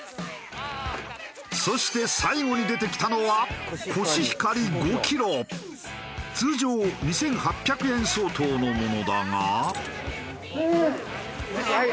そして最後に出てきたのは通常２８００円相当のものだが。